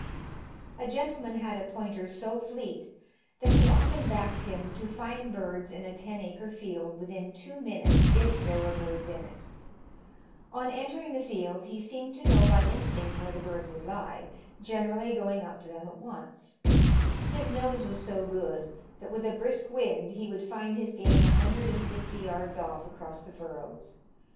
A gentleman had a pointer so fleet that he often backed him to find birds in a ten acre field within two minutes, if there were birds in it. On entering the field, he seemed to know by instinct where the birds would lie, generally going up to them at once. His nose was so good, that with a brisk wind, he would find his game a hundred and fifty yards off across the furrows.